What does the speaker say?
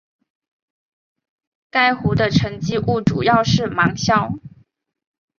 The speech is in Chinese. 该湖的沉积物主要是芒硝。